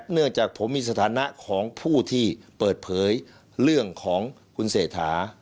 เนื่องจากผมมีสถานะของผู้ที่เปิดเผยเรื่องของคุณเศรษฐา